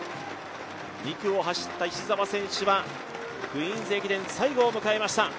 ２区を走った石澤選手はクイーンズ駅伝、最後を迎えました。